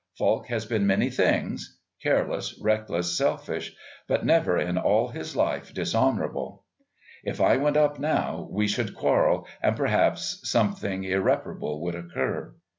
Falk has been many things careless, reckless, selfish, but never in all his life dishonourable. If I went up now we should quarrel, and perhaps something irreparable would occur.